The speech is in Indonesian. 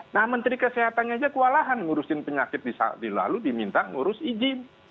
nah menteri kesehatan aja kewalahan ngurusin penyakit lalu diminta ngurus izin